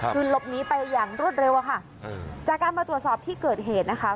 คือหลบหนีไปอย่างรวดเร็วอะค่ะจากการมาตรวจสอบที่เกิดเหตุนะคะ